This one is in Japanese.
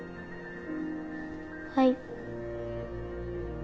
はい。